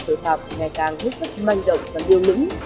tội phạm ngày càng hết sức manh động và điêu lũng